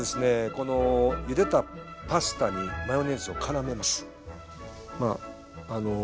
このゆでたパスタにマヨネーズをからめます。